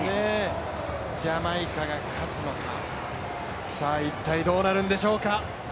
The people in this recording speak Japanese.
ジャマイカが勝つのかさあ一体どうなるんでしょうか。